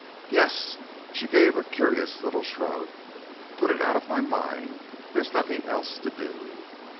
"Yes." She gave a curious little shrug. "Put it out of my mind. There's nothing else to do."